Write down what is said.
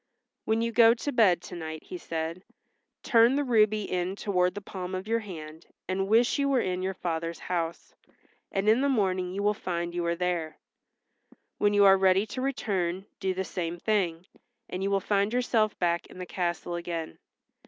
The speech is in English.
"When you go to bed to night," he said, "turn the ruby in toward the palm of your hand and wish you were in your father's house, and in the morning you will find you are there. When you are ready to return do the same thing, and you will find yourself back in the castle again.